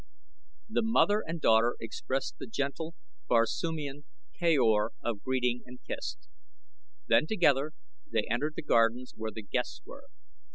The mother and daughter exchanged the gentle, Barsoomian, "kaor" of greeting and kissed. Then together they entered the gardens where the guests were.